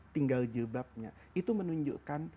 tinggal jilbabnya itu menunjukkan